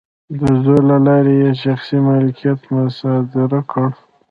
د زور له لارې یې شخصي مالکیت مصادره کړ.